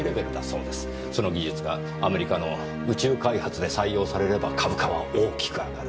その技術がアメリカの宇宙開発で採用されれば株価は大きく上がる。